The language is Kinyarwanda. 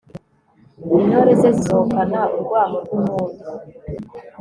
intore ze zisohokana urwamo rw'impundu